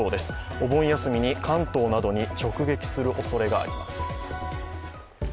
お盆休みに関東などに直撃するおそれがあります。